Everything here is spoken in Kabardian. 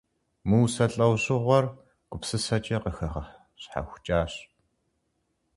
Мы усэ лӀэужьыгъуэр гупсысэкӏэ къыхэгъэщхьэхукӀащ.